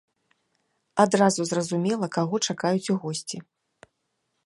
Адразу зразумела, каго чакаюць у госці.